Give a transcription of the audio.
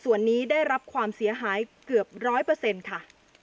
วันนี้ได้รับความเสียหายเกือบร้อยเปอร์เซ็นต์ค่ะ